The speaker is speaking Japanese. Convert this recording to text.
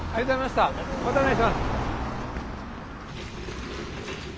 またお願いします。